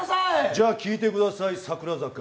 じゃあ聴いてください「桜坂」。